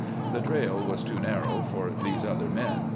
The trail was too narrow for these other men.